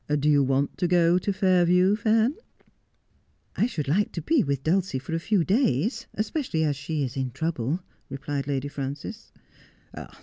Do you want to go to Fairview, Fan 1 '' I should like to be with Dulcie for a few days, especially as she is in trouble,' replied Lady Frances.